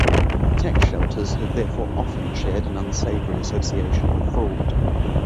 Tax shelters have therefore often shared an unsavory association with fraud.